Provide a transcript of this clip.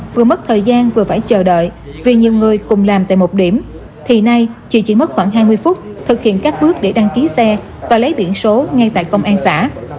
vừa mất thời gian vừa phải chờ đợi vì nhiều người cùng làm tại một điểm thì nay chỉ mất khoảng hai mươi phút thực hiện các bước để đăng ký xe và lấy biển số ngay tại công an xã